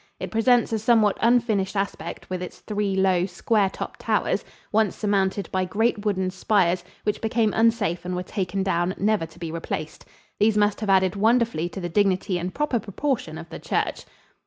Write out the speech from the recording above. It presents a somewhat unfinished aspect with its three low, square topped towers, once surmounted by great wooden spires, which became unsafe and were taken down, never to be replaced. These must have added wonderfully to the dignity and proper proportion of the church.